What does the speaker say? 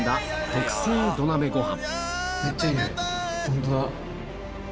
特製土鍋ご飯